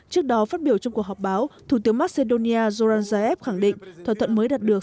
trước đó phát biểu trong cuộc họp báo thủ tướng macedonia zoran zaev khẳng định thỏa thuận mới đạt được